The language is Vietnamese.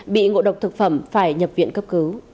bị ngộ độc thực phẩm phải nhập tích